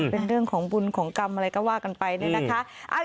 เป็นเรื่องของบุญของกรรมอะไรก็ว่ากันไปเนี่ยนะคะ